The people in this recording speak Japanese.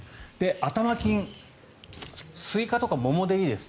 頭金、スイカとか桃でいいです。